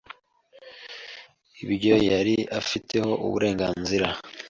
ibyo yari afiteho uburenganzira.